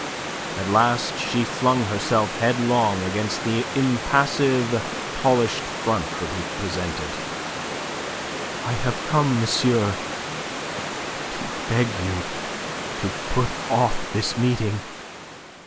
At last she flung herself headlong against the impassive, polished front that he presented. "I have come, monsieur, to beg you to put off this meeting."